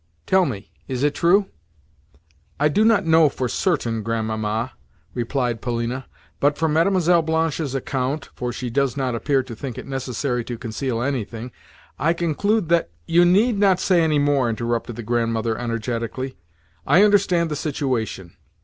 Tell me, is it true?" "I do not know for certain, Grandmamma," replied Polina; "but from Mlle. Blanche's account (for she does not appear to think it necessary to conceal anything) I conclude that—" "You need not say any more," interrupted the Grandmother energetically. "I understand the situation.